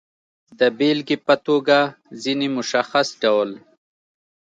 د بېلګې په توګه، ځینې مشخص ډول